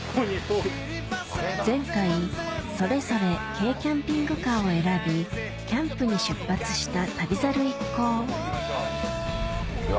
前回それぞれ軽キャンピングカーを選びキャンプに出発した旅猿一行